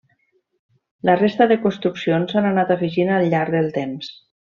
La resta de construccions s'han anat afegint al llarg del temps.